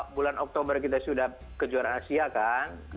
bulan oktober kita sudah kejuaraan asia kan